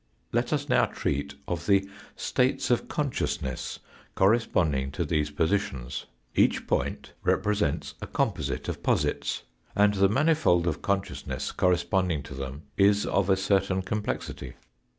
Let us now treat of the states of consciousness corresponding to these positions. Each point represents a composite of posits, and the mani fold of consciousness corresponding Fig. <;o. ,, r ,.,*_.. to them is of a certain complexity.